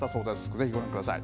ぜひご覧ください。